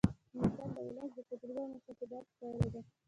متل د ولس د تجربو او مشاهداتو پایله ده